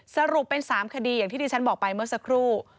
สรุปเป็น๓คดีอย่างที่ที่ฉันบอกไปเมื่อสักครู่